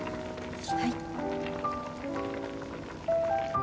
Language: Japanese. はい。